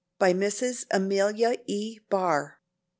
BY MRS. AMELIA E. BARR.